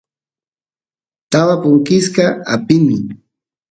taba punkisqa apini